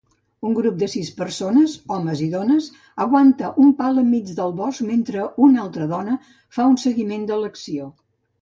Un grup de sis persones, homes i dones, aguanta un pal enmig del bosc mentre una altra dona fa un seguiment de l'acció.